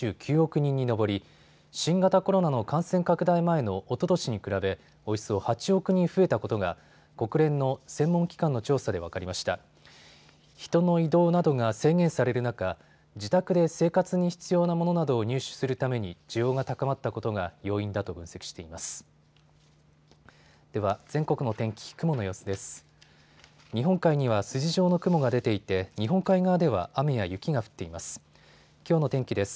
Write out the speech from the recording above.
人の移動などが制限される中、自宅で生活に必要なものなどを入手するために需要が高まったことが要因だと分析しています。